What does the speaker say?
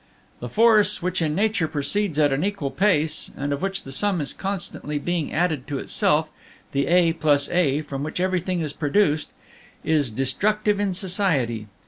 The force which in nature proceeds at an equal pace, and of which the sum is constantly being added to itself the A + A from which everything is produced is destructive in society.